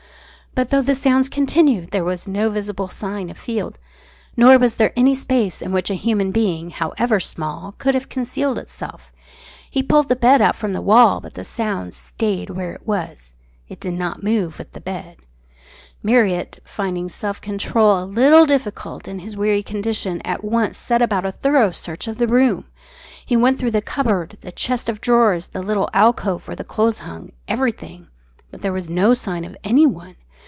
But though the sounds continued there was no visible sign of Field, nor was there any space in which a human being, however small, could have concealed itself. He pulled the bed out from the wall, but the sound stayed where it was. It did not move with the bed. Marriott, finding self control a little difficult in his weary condition, at once set about a thorough search of the room. He went through the cupboard, the chest of drawers, the little alcove where the clothes hung everything. But there was no sign of anyone.